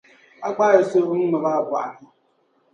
A gbaai so n ŋmabi a bɔɣu ni.